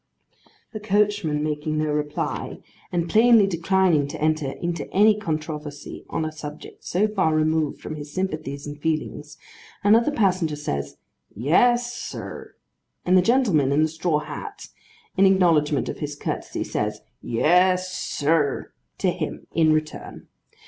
The coachman making no reply, and plainly declining to enter into any controversy on a subject so far removed from his sympathies and feelings, another passenger says, 'Yes, sir;' and the gentleman in the straw hat in acknowledgment of his courtesy, says 'Yes, sir,' to him, in return.